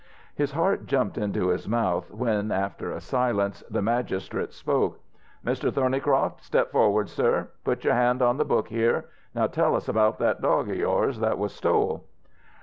His heart jumped into his mouth when after a silence the magistrate spoke: "Mr. Thornycroft, step forward, sir. Put your hand on the book here. Now tell us about that dog of yours that was stole."